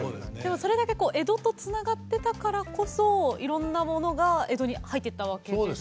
それだけ江戸とつながってたからこそいろんなものが江戸に入ってったわけですよね。